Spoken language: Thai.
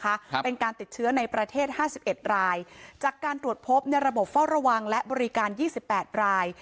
ครับเป็นการติดเชื้อในประเทศห้าสิบเอ็ดรายจากการตรวจพบในระบบเฝ้าระวังและบริการยี่สิบแปดราย